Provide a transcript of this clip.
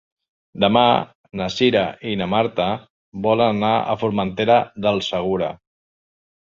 Demà na Cira i na Marta volen anar a Formentera del Segura.